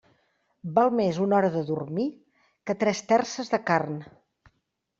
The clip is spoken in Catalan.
Val més una hora de dormir que tres terces de carn.